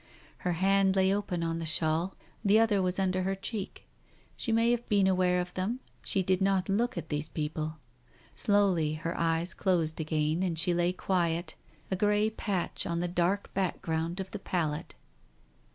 Her hand lay open on the shawl, the other was under her cheek. She may have been aware of them, she did not look at these people. Slowly her eyes closed again and she lay quiet, a grey patch on the dark background of the pallet.